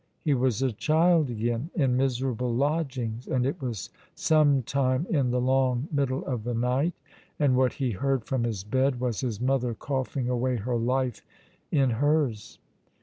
He was a child again, in miserable lodgings, and it was sometime in the long middle of the night, and what he heard from his bed was his mother coughing away her life in hers.